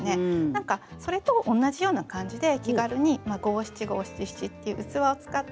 何かそれと同じような感じで気軽に五七五七七っていう器を使って乗せてもらう。